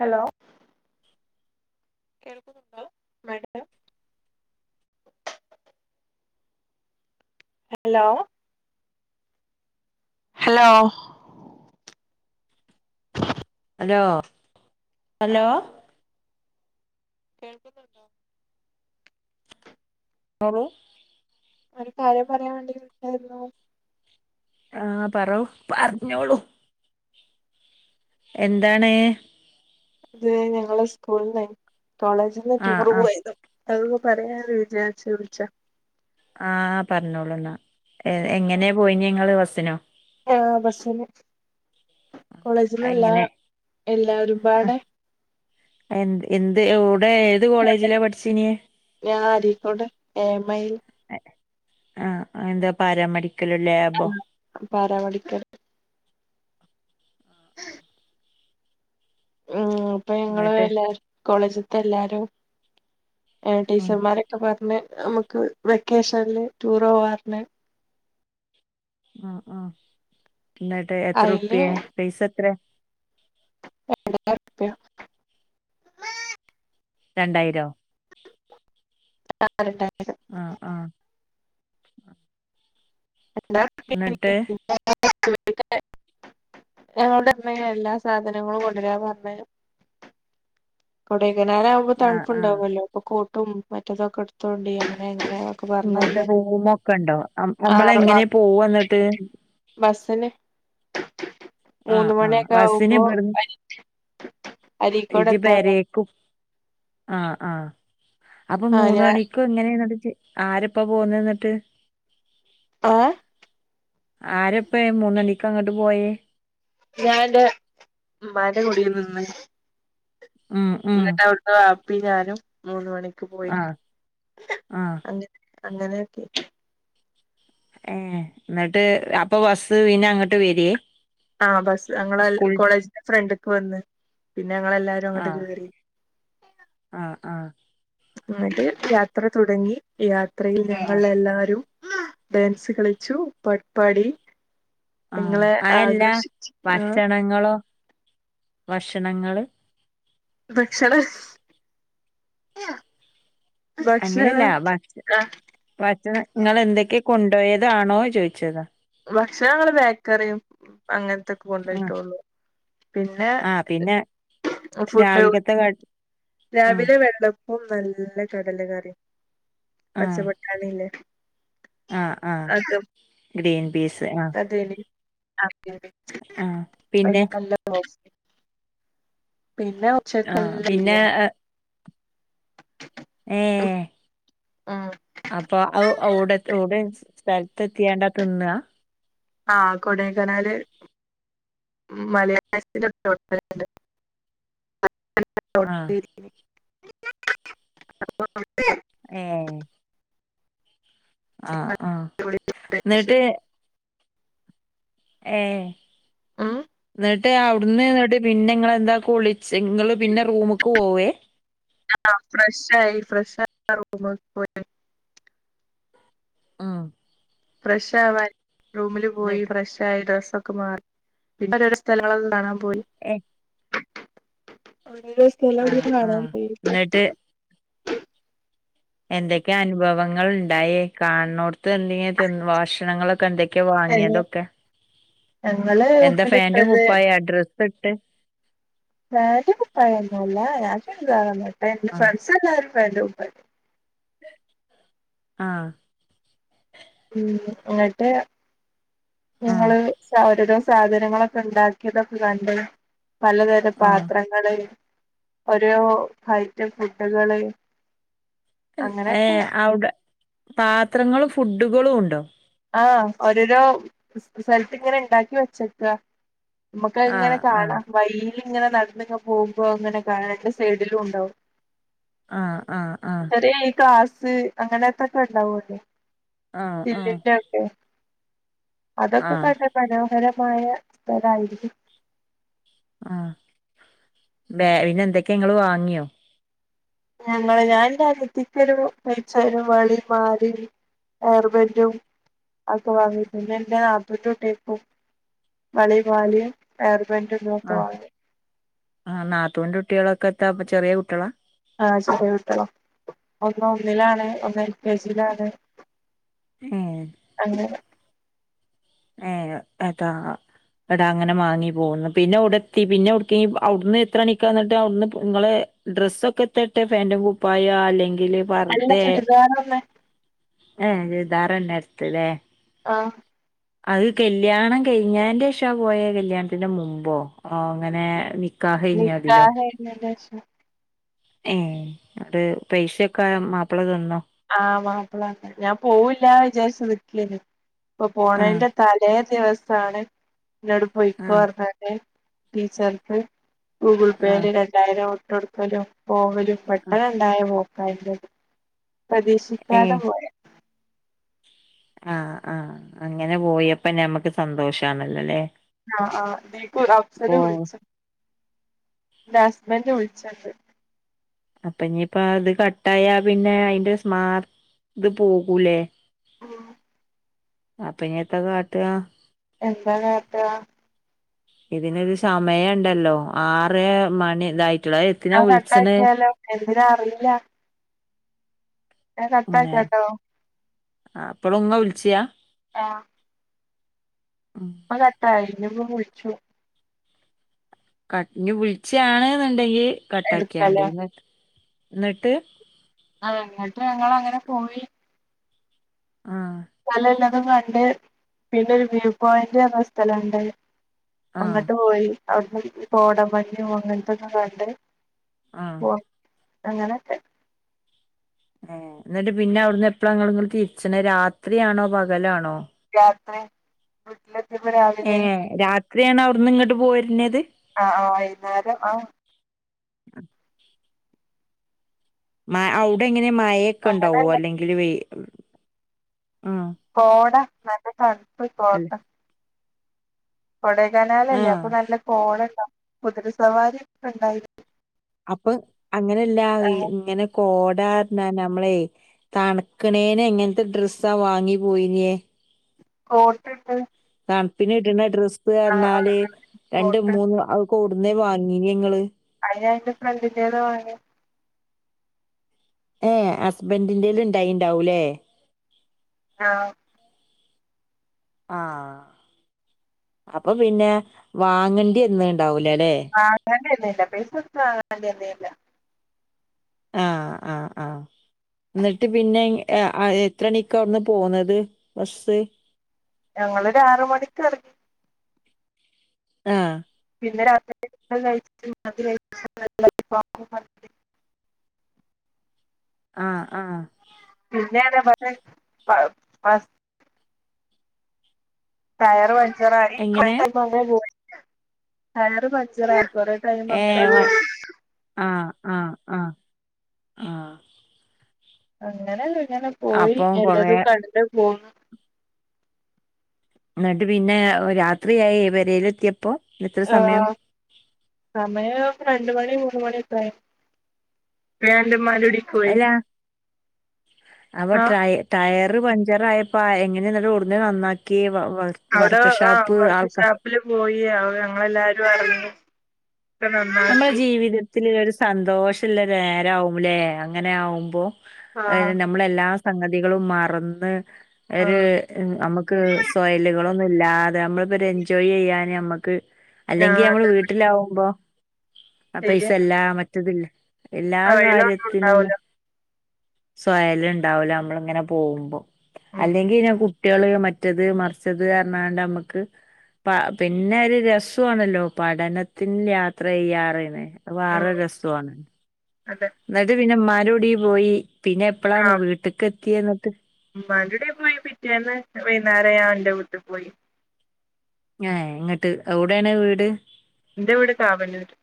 Hello കേൾക്കുന്നുണ്ടോ madam hello hello hello hello ആഹ് കേൾക്കുന്നുണ്ടോ ഞ്ഞോളൂ ഒരു കാര്യം പറയാൻ വേണ്ടി വിളിച്ചായിരുന്നു ആ പറോ പറഞ്ഞോളൂ എന്താണ് അത് ഞങ്ങള് സ്കൂളിന്നെ കോളേജിൽ നിന്ന് ആ ടൂർ ആ പോയത് അതൊന്ന് പറയാന്ന് വിചാരിച്ച് വിളിച്ചതാ ആ പറഞ്ഞോളൂ എന്നാ എങ്ങനെ പോയിന്നെ നിങ്ങള് ബസ്സിനോ ആ ബസിന് കോളേജന്നല്ലാ എങ്ങനെ എല്ല ആ, ഒരുപാട് എന്ത് എന്ത് ടെ ഏത് കോളേജിലാ പഠിച്ചിനിയെ ഴിക്കോട് എമഐൽ ആ എന്താ പാരമടി ആ പാരാവളിക്കർ ആ അപ്പ ഞങ്ങള് എന്നിട്ട് എല്ലാ കോളേജ ഇതല്ലാരും അ ഉം ടീച്ചർമാരക്ക പറഞ്ഞ നമുക്ക് വെക്കേഷനില് ടൂർ പോവാറന് ആ ആ എന്നിട്ട് എത്രറുപ്യ പൈസ എത്രയ എപ രണ്ടായിരോ ആ ആ [inaudible] [inaudible] എന്നിട്ട് ഞങ്ങളുടെ ഇണ എല്ലാ സാധനങ്ങളും കൊണ്ടുവരാൻ പറഞ്ഞ കുട മനാനാവുമ്പോ ആ ആ തണുപ്പുണ്ടാവുമല്ലോ അപ്പ ക്കും മറ്റതൊക്കെ എടുത്തോണ്ടി അങ്ങനെ ഇങ്ങനെയൊക്കെ പറഞ്ഞ് നിങ്ങൾക്ക് പറഞ്ഞ് റൂമ ഒക്കെ ഉണ്ടോ ആറ് നമ്മളഎങ്ങനെ പോവ എന്നിട്ട് തന്നെ ആ മൂന്ന് ആ മണിയൊക്കെ ബസ്സിന് ആകുമ്പോ ഇവിടുന്ന് അരിക്കോട് എത്താറായി ആ ആ അപ്പൊ ആഹ് മൂന്ന് ഞാൻ മണിക്കു എങ്ങനെയാണവിടെ ചെ- ആരിപ്പോൾ പോന്നന്നിട്ട്- ഏ ആരപ്പ മൂന്നണക്ക് അങ്ങോട്ട് പോയ ഞാ എൻറെ ഉമ്മാന്റെ കൂടിയാ നിന്ന് ഉം ഉം എന്നിട്ട് അവിടുന്ന് വപ്പി ഞാനും മൂന്ന് മണിക്ക് പോയി ആഹ് ആഹ് അങ്ങ- അങ്ങനെയൊക്കെ- ഏ എന്നിട്ട് അപ്പൊ ബസ് പിന്ന അങ്ങോട്ട് വരിയേ ആഹ് ബസ് ഞങ്ങള കോളേജിന്റെ ഫ്രണ്ട്ക്ക് വന്ന് പിന്നെ ഞങ്ങെല്ലാരും അങ്ങോട്ട് ആഹ് കേറി ആഹ് ആഹ് എന്നിട്ട് യാത്ര തുടങ്ങി യാ- യാത്രയിൽ ഞങ്ങൾ ആഹ് എല്ലാരും- ഉമ്മാ ഡാൻസ് കളിച്ചു പാട്ടുപാടി ആ അതല്ല ആ ഭക്ഷണങ്ങളോ? ഭക്ഷണങ്ങള്- ഭക്ഷണ- അങ്ങനെയല്ല ഭക്ഷണ നിങ്ങ എന്തൊക്കെയ- കൊണ്ടുപോയതാണോ ചോദിച്ചതാ ഭക്ഷണം ഞങ്ങൾ ബേക്കറിയും അങ്ങനെത്ത ആഹ് കൊണ്ടോയിട്ടുള്ളു പിന്നെ ആഹ് പിന്നെ ഫുഡ് രാവിലക്കത്തെ കടി ആഹ് രാവിലെ വെള്ളപ്പം ഉണ്ടായിരുന്നു ഇല്ല കടലക്കറി പച്ച ആഹ് പട്ടാണില്ലേ ആഹ് ആഹ് അതും ഗ്രീൻ ബീസ് അതെ ആഹ് പിന്നെ ല്ല [unintelligible] പിന്നെ ഉച്ചക്ക് നല്ല ആഹ് ബിരിയാണി ഏ ഉം അപ്പൊ ഔ ഔടെ വിടെ അനുസ സ്ഥലത്ത് എത്തിയേണ്ടാ തിന്നുവാ ആഹ കൊടക്കനാല് മലയാളത്തിന്റെ ആഹ് [inaudible] [inaudible] അ [unintelligible] ഏ ആ ആ എന്നിട്ട് ഏ ഉം എന്നിട്ട് അവിടുന്ന് പിന്നെ നിങ്ങെന്താ കുളിച്ച് നിങ്ങള് പിന്നെ റൂമക്ക് പോവേ ആ ഫ്രഷായി ഫ്രഷായി റൂമുക്ക് ഉം ഫ്രഷ് ആവാൻ റൂമിൽ പോയി എന്നിട്ട് ഫ്രഷ് ആയി ഡ്രസ് ഒക്കെ മാറി ഓരോരോ സ്ഥലങ്ങളക്കെ കാണാ പോയി ഏഹ് ഒരു ദിവസം എല്ലാം ആഹ് കാണാൻ ആഹ് പോയി എന്നിട്ട് എന്തൊക്കെ അനുഭവങ്ങൾ ഇണ്ടായേ കാണണോടത്ത് എന്തെങ്കി തിന്ന് ഭഷണങ്ങളൊക്കെ എന്ത [inaudible] ഞങ്ങള് എന്താ ഫാന്റും ഉപ്പിലിട്ടത് കുപ്പായാ ഡ്രസ്സ് ഇട്ട് പാൻ്റും കുപ്പയോന്നും അല്ല ഞാൻ ചുരിദാറെന്നെ ഇട്ടേ ഇൻ്റെ ആഹ് ഫ്രണ്ട്സ് എല്ലാരും പാൻ്റും കുപ്പായ ഇട്ടേ. ആഹ് ഉം ഇന്നിട്ട് ആഹ് ഞങ്ങള് [unintelligible] സാധനങ്ങളൊക്കെ ഇണ്ടാക്കിയതൊക്കെ കണ്ട്. പലതരം ആഹ് പാത്രങ്ങള് ഓരോ ഐറ്റം ഫുഡുകള് ഏ അങ്ങനെയൊക്കെ അവുടെ പാത്രങ്ങളും ഫു ഡുകളും ഉണ്ടോ? ആഹ് ഓരോരോ സ് സ്ഥലത്ത് ഇങ്ങനെ ഇണ്ടാക്കി വെച്ചേക്ക നമ്മക്കത് ഇങ്ങനെ ആഹ് ആഹ് കാണാം വഴീ ല് ഇങ്ങനെ നടന്നിങ്ങ് പോകുമ്പോ ഇങ്ങനെ കാണ രണ്ട് സൈഡിലും ഇണ്ടാവും ആഹ് ആഹ് ആഹ് [unintelligible] അങ്ങനത്തൊക്കെ ഇണ്ടാവല്ലോ? ആഹ് ആഹ് റ്റ് അതൊക്ക ആഹ് തന്നെ മനോഹര മായ സ്ഥലായിരിക്കും. ആ പിന്നെ എന്തൊക്ക ഇങ്ങള് വാങ്ങിയോ? ഞങ്ങള് ഞാൻ ഇന്റെ അനിയത്തിക്കൊരു കൈചെയിനും ഒരു വളേം മാലേം ഏർബാൻ്റും അതൊക്കെ വാങ്ങി. പിന്നെ ഇന്റെ നാത്തൂൻ്റെ കുട്ടിയക്കും വളേം മാലേം ഏർ ബാൻ്റും [unintelligible] ഒക്കെ ആഹ് വാങ്ങി. ആഹ് നാത്തൂന്റെ കുട്ടിയളൊക്കെത്ത ഇപ്പൊ ചെറിയ കുട്ടികള. ആഹ് ചെറിയ കുട്ടിയള. ഒന്ന് ഒന്നിലാണ് ഒന്ന് എൽ കെ ജിലാണ് അങ്ങനെ- ഏ അതാ ഇന്നിട്ട് അങ്ങനെ മാങ്ങി പോന്ന് പിന്നെ എവുടെ എത്തി പിന്നെവുട്ക്കേനു അവുട്ന്ന് എത്രണിക്കന്നിട്ട് അവുട്ന്ന് പോ ഇങ്ങള് ഡ്രസ്സൊക്കെ എത്ത ഇട്ടേ ഫാൻും കുപ്പായ അല്ലെ ങ്കില് നല്ല പർദേ ചുരിദാറൊന്ന് [unintelligible] ചുരിദാറെന്നെ എട്ത്ത്ലേ ആഹ് അത് കല്യാണം കഴിഞ്ഞേൻ്റെ ശേഷം പോയേ കല്യാണത്തിന്റെ മുമ്പോ ഏ ഇങ്ങനെ നി നിക്കാഹ് കഴിഞ്ഞേൻ്റെ ശേഷം ഏന്നിട്ട് പൈസ ഒക്കെ മാപ്പിള തന്നോ? ആഹ് മാപ്പിള തന്ന് ഞാൻ പോവില്ല വിചാരിച്ച് നിക്കേനി- ഇപ്പൊ ആഹ് പോണേന്റെ തലേ ന്റെ അവസ്ഥാണ്- ഇജാണ്ട് പോയിക്കോ ആഹ് പറഞ്ഞാല് ടീച്ചർക്ക്- ഗൂഗിൾ ആഹ് പേയില് രണ്ടായിരം- കൊടുക്കലും പോവലും ആഹ് പെട്ടെണ ഇണ്ടായ പോ ഹൈ ബ്രഡ് പ്രതീക്ഷിക്കാത പോയെ ആ ആ അങ്ങനെ പോയപ്പം ഞമ്മക്ക് സന്തോഷാണല്ലോല്ലേ ആ ആ ഇതീക്കൊ അഫ്സൽ ഓ വിൾച്ചീണ്ട് ഇന്റെ ഹസ്ബൻഡ് വിൾച്ച്ണ്ട് അപ്പാ ഇനിയിപ്പാത് കട്ടായ പിന്നെ അയിന്റെ സ്മാർ ത് പോകൂലേ ഉം അപ്പ ഇനിയെത്താ കാട്ടാ എന്താ കാട്ടാ ഇതിനൊരു സമയണ്ടല്ലോ ആറെ മണി ഇതായി ആ കട്ടാക്കിയാലോ എന് ന്താ അറീല്ലാ ഞാൻ കട്ടാക്കി ട്ടോ ആ എപ്പളുംങ്ങ വിളിചയാ ആ ഉം ഇപ്പം കട്ടായി ഞാൻ പ്പം കുളിക്കുന്നു കട്ട് ഇഞ്ഞ് വിളിച്ചാണ്ന്ന്ണ്ടെങ്കി കട്ടാക്കിയാണ്ടി എടുക്കല്ലേ ന്ന് ന്നെട്ട് അ ഇങ്ങട്ട് ഞങ്ങളങ്ങനെ പോയി ആഹ് തും കണ്ട് പിന്നെ ഒരു വ്യൂ പോയിന്റ് എന്ന സ്ഥലണ്ട് ആഹ് അങ്ങട്ട് പോയി അവിടുന്ന് കോടമഞ്ഞും അങ്ങൻത്തൊക്കെ കണ്ട് ആഹ് അങ്ങനൊക്കെ ഏ എന്നിട്ട് പിന്നെ അവ്ടുന്ന് എപ്പളാ ഇങ്ങള് ഇങ്ങട്ട് തിരിച്ച്ണേ രാത്രിയാണോ പകലാണോ രാത്രി വീട്ടിലെത്തിയപ്പോ രാവിലായി ഏഹ് രാത്രിയാണ് അവിടുന്ന് ഇങ്ങട്ട് പോരുന്നത് ആ ആ വൈകുന്നേരം ആഹ് [inaudible] മ അവുടെങ്ങ [unintelligible] മയെക്കെ ഉണ്ടാവോ അങ്ങനെയല്ല അല്ലെങ്കില് വെയി [inaudible] കോട നല്ല തണുപ്പ ഇപ്പൊ അല്ല അവിടുത്തെ കൊടയ് കനാലല്ലേ ആഹ് അപ്പൊ നല്ല കോട കുതിരസവാരിയൊക്കെ ഇണ്ടായിന് അപ്പൊ അങ്ങനെല്ലാ ഇങ്ങനെ കോ അതാ പറഞ്ഞേ നമ്മളെ തണുക്കണേന് എങ്ങനത്തെ ഡ്രസ്സാ വാങ്ങി പോയിനേ കോട്ടിട്ട് ആ പിന്നെ ഇടണ ഡ്രസ് ആ റഞ്ഞാല് രണ്ട് കോട്ട് മൂന്ന് ഔ കൂടുന്നെ വാങ്ങീനി ങ്ങൾ ഞാൻ എന്റെ ഫ്രണ്ടിൻ്റെന്ന് വാങ്ങി ഏ ഹസ്ബന്റിൻ്റെല് ഇണ്ടായിണ്ടാവൂല്ലേ ആഹ് ആഹ് അപ്പൊ പിന്നെ വാങ്ങണ്ടിവന്നണ്ടാവൂല ആഹ് അങ്ങനെല്ല ല്ലാ പൈസ കൊടുത്ത് വാങ്ങേണ്ടിവന്നില്ല ആഹ് ആഹ് ആഹ് എന്നിട്ട് പിന്നെ ഇ ആ അ എത്ര മണിക്കവടെന്ന് പോന്നത് ബസ് ഞങ്ങൾ ഒരു ആറു മണിക്ക് ഇറങ്ങി ആഹ് പിന്നെ രാത്രിയിലത്തെ കഴിച്ചിട്ട് [inaudible] ആഹ് ആഹ് [unintelligible] ടയർ പ ഞ്ചറായിക്ക് എങ്ങനെ [unintelligible] ടയർ പഞ്ചറായി കൊറേ ടൈം ഏ അങ്ങനെ വ പോയി ആഹ് ആഹ് ആഹ് ആഹ് അങ്ങനല്ല അങ്ങനല്ലോര് ഇങ്ങനെ പോയി അപ്പം കൊറേ എല്ലാതും കണ്ട് പോണ് എന്നട്ട് പിന്നെ രാത്രിയായി പെരേല് എത്തിയപ്പോ ആ ആ സമയം [unintelligible] രണ്ട് മണി മൂന്ന് മണിയൊക്കെയായ് [unintelligible] [unintelligible] കോയി അപ്പോ ട്രയ് ടയർ ർ പഞ്ചറായപ്പോ എങ്ങനെ ഇവിടെന്ന് നന്നാക്കി അവിടെ വർക്ക് ആഹ് ഷോപ്പ് ആൾക്ക വർക്ക്ഷാപ്പിൽ പോയി ഞങ്ങൾ എല്ലാരും അറിഞ്ഞ് ഇ നമ്മളെ നന്നാക്കി [inaudible] ജീവിതത്തില് ഒരു സന്തോഷം ഉള്ള നേരമാവുല്ലേ അങ്ങനെ ആകുമ്പോ ആഹ് നമ്മളെല്ലാ സംഗതികളും മറന്ന് അവര് ആഹ് നമുക്ക് സോയലുകളും തൊന്നും ഇല്ലാതെ നമ്മള് ഇവര് എൻജോയ് ചെയ്യാനാന് നമുക്ക് [unintelligible] അല്ലെങ്കി ആഹ് നമ്മള് അതെ വീട്ടിലാവുമ്പോ- ആ പൈസ ശരിയെന്ന അല്ല മറ്റതില് എല്ലാ തൊഴിലൊന്നും ഉണ്ടാവൂല കാര്യത്തിനും- സ്വര്യംഉണ്ടാവില്ല നമ്മളിങ്ങനെ പോകുമ്പോ ഉം അല്ലെങ്കിൽ ഞ- കുട്ടികൾ മറ്റത് മറിച്ചത് എന്ന് വേണ്ട നമുക്ക് പിന്നെ ഒരു രസമാണല്ലോ പഠനത്തി- യാത്ര ചെയ്യാറ് തന്നെ അതു ഉം വേറെ രസമാണ് അതെ എന്നിട്ട് പിന്നെ ഉമ്മാ - പൊടി പോയി പിന്നെ എപ്പോഴാണ് വീട്ടിക്ക് - കെ നട്ട് ഉമ്മാന്റെറ വീട്ടിപോയി പിറ്റേന്ന്. വൈകുന്നേരം എന്റെ വീട്ടിപോയി എന്നിട്ട്എവിടെയാണ് വീട് എന്റെ വീടെ കാവലൂര്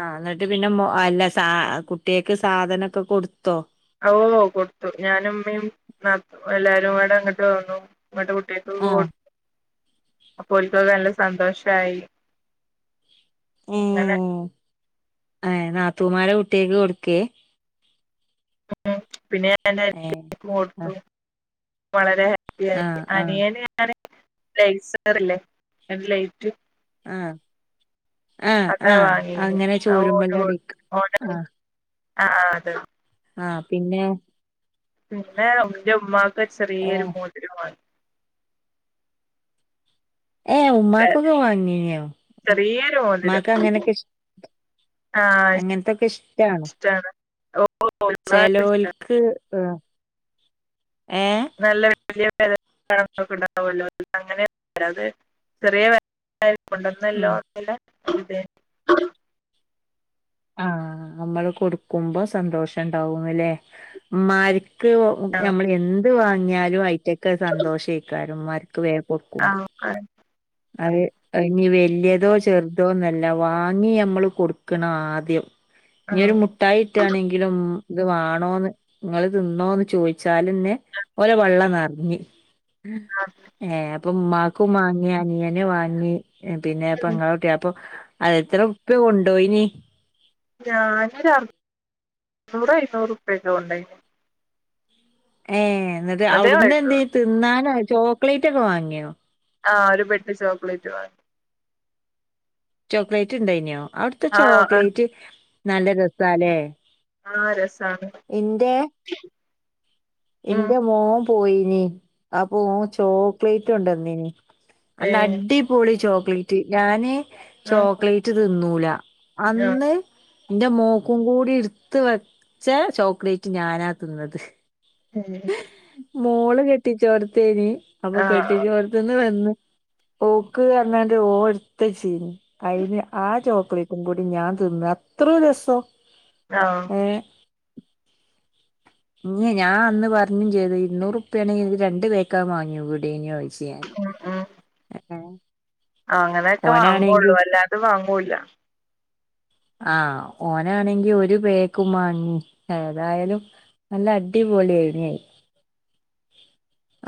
ആഹ് എന്നിട്ട് പിന്നെ മോ അല്ല സാ കുട്ടികക്ക് സാധനൊക്കെ കൊടുത്തോ ഓ കൊടുത്തു ഞാനും ഉമ്മയും നടന്നു എല്ലാരുടെ അങ്ങോട്ടുവന്നു ഇങ്ങട് കുട്ടിലക്കെ ഒക്കെ ആഹ് കൊടുത്തു അപ്പോഴൊക്കെ നല്ല സന്തോഷമാ യി അങ്ങനെ ആ നാത്തൂമാരുടെ കുട്ടകൾക്ക് കൊടുക്കേ ഉ പിന്നെ പിന്നെ എന്റെ ഏഹ് ഏട്ടത്തിടെ മോൾക്കും വളരെ ആഹ് ആഹ് അനിന് ഞാന് ലൈറ്ററല്ലേ എന്റെ ലൈറ്റ് ആ അത വങ്ങിയത് ഓ ചോരുമ്മലടിക്ക് [unintelligible] ആ ആ അതെ ആഹ പിന്നെ പിന്നെ ന്റെ ഉമ്മാക്ക് ചെറിയൊരു ഏഹ് മോതിരമാണ് ഏ ഉമ്മാക്കൊന്നും വാങ്ങീനോ ഉം ചെറിയൊരു മോതിരം ഉമ്മാക്ക് അങ്ങനെയൊക്കെ ഇഷ് ആ അങ്ങനത്തൊക്കെ ഇഷ് [unintelligible] ഇഷ്ടാണ് ഓ ചെലോൽക്ക് ങ് ഏ [unintelligible] ണ്ടാവല്ലോ അങ്ങനെ അത് ചെറിയ [unintelligible] കൊണ്ടുവന്നല്ലോ ഉം [unintelligible] അതെ ആഹ നമ്മള് കൊടുക്കുമ്പോ സന്തോഷം ഉണ്ടാവുന്നുല്ലേ ഉമ്മാരി ക്ക് നമ്മൾ എന്ത് വാങ്ങി ന്ന്യലും ആയിറ്റക്കെ സന്തോഷയിക്കാണും ഉമ്മാർക്ക് വേ ആ ആഅതെ അതെ ഇനി വേ വല്യതോ ചെറുതോന്നല്ല വാങ്ങി നമ്മള് കൊടുക്കണം ആദ്യം ഇങ്ങൊരു മുട്ടായിട്ടാണെങ്കിലും ഉം ഇത് വേണോന്ന് നിങ്ങള് തിന്നോന്ന് ചോദിച്ചാലന്നെ ഓള വെള്ള നെറഞ്ഞ് ഏ അപ്പം ഉമ്മാക്കും മാങ്ങിയ ങ്ങനെ വാങ്ങി പിന്നെ അപ്പ ഇങ്ങട്ടെ അപ്പൊ അതെത്ര റുപ്പ്യ കൊണ്ടോയിനി ഞാന് അറ് നൂർ ഇരുനൂറ് റുപ്പ്യ കൊണ്ടോയനി ഏ... എന്നിട്ട് അതേ അവിടുന്ന് ആയിട്ടുള്ളൂ എന്തയ്ത് തിന്നാനായി ചോക്ലേറ്റ്ക്കെ വാങ്ങിയോ ആഹ ഒരു പെട്ടി ചോക്ലേറ്റ് വാങ്ങി ചോക്ലേറ്റ് ഉണ്ടായിനോ അവിടുത്തെ ആ ആ ചോക്ലേറ്റ് നല്ല രസല്ലേ ആ രസ് എന്റെ ഉം എന്റെ മോ പോയിനി അപ്പൊ ചോക്ലേറ്റ് കൊണ്ട് വന്നേനി ഏ അല്ല അടിപൊളി ചോ പ്ലീറ്റി ഞാന് ഉം ചോക്ലറ്റ് തിന്നൂല അന്ന് എന്റെ മോക്കും കൂടി ഇടുത്ത് വെച്ച ചോക്ലേറ്റ് ഞാനാ തിന്നത് ഹഹ [unintelligible] മോള് കെട്ടിിച്ചോർത്തീനി അപ്പൊ ആ ആ കെട്ടിച്ചോർത്ത് നിന്ന് വന്ന് പോക്ക്ുക എന്നന്നന്റെ ഓർത്ത ചീഞ്ഞ [unintelligible] അയിന് ആ ചോ ളിക്കും കൂടി ഞാൻ തിന്ന് അത്ര രസോ ആ ഇന്ന് ഞാൻ അന്ന് പറഞ്ഞ് ചെയ്ത് ഇന്നൂറുപ്പ്യ ആണെങ്കി എനിക്ക് രണ്ടു പേക്കാൻാങ്ങു വിവിട [unintelligible] ശ ആ ആ അങ്ങനെയൊക്കെ വാങ്ങുള്ളു അല്ലാണ്ട് വാങ്ങൂല്ല ആഹ ഓനാണെങ്കി ഒരു പേക്കും വാങ്ങി ഏതായാലും നല്ല അടിപൊളി ആയന്ന്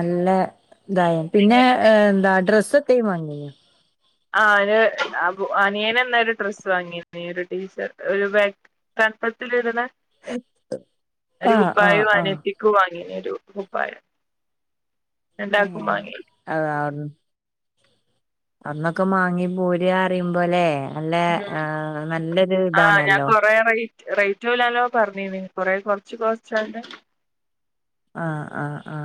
അല്ല ഇതായ പിന്നെ എന്താ അഡ്രസ്സ് തെ വങ്ങി ആ ഒര് അനിയന എന്ത ഒരു ഡ്രസ്സ് വാങ്ങി ഒരു ടീഷർ ഒരു ബ തൽപ്പത്തി ഇട്ട ഒരു ആഹ് ആഹ് കുപ്പായവും ആഹ് അനത്തിക്കു വാ പിന്നൊരു കുപ്പായം ആ രണ്ടാക്കും വാങ്ങി ആ അന്നൊക്കെ മാങ്ങയും മോര് കറിയും പോലെ നല്ല ആ നല്ലൊരു ആ ഞാൻ ഇതാണല്ലോ കൊറേ റേറ്റ് റേറ്റ് പോലല്ലോ പറഞ്ഞേന്ന് കൊറെ കൊറച്ച് കൊറച്ച് ആ ആ ആ